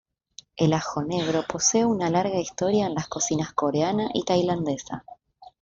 El ajo negro posee una larga historia en las cocinas coreana y tailandesa.